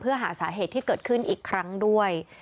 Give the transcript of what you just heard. เพื่อหาสาเหตุที่เกิดขึ้นอีกครั้งด้วย